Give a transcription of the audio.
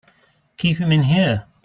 Keep him in here!